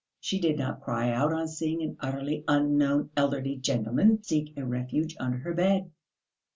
She did not cry out on seeing an utterly unknown elderly gentleman seek a refuge under her bed.